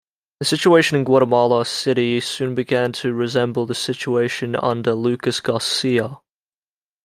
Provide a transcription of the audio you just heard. The situation in Guatemala City soon began to resemble the situation under Lucas Garcia.